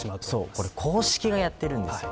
これ、公式がやってるんですよ